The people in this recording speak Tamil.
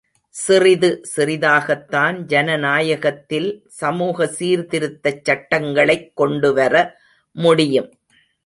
சிறிது சிறிதாகத்தான் ஜனநாயகத்தில் சமூக சீர்திருத்தச் சட்டங்களைக் கொண்டுவர முடியும்.